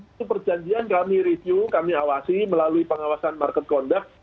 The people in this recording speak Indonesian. itu perjanjian kami review kami awasi melalui pengawasan market conduct